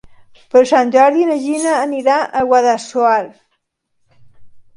Per Sant Jordi na Gina anirà a Guadassuar.